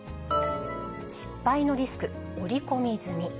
失敗のリスク織り込み済み？